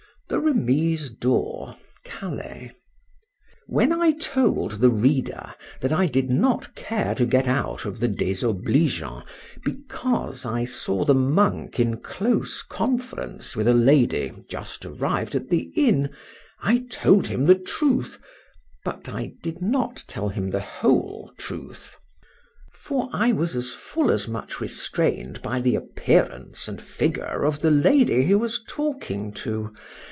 THE REMISE DOOR. CALAIS. WHEN I told the reader that I did not care to get out of the désobligeant, because I saw the monk in close conference with a lady just arrived at the inn—I told him the truth,—but I did not tell him the whole truth; for I was as full as much restrained by the appearance and figure of the lady he was talking to.